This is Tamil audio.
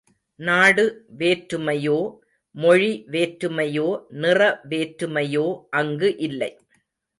நாடு வேற்றுமையோ, மொழி வேற்றுமையோ, நிற வேற்றுமையோ அங்கு இல்லை.